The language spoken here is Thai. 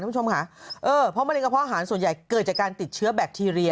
คุณผู้ชมค่ะเออเพราะมะเร็งกระเพาะอาหารส่วนใหญ่เกิดจากการติดเชื้อแบคทีเรีย